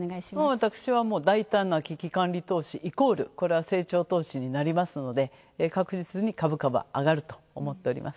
私は大胆な危機管理投資イコール、これは成長投資になりますので確実に株価は上がると思っております。